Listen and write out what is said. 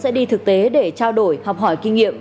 sẽ đi thực tế để trao đổi học hỏi kinh nghiệm